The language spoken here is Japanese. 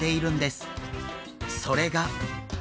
それが。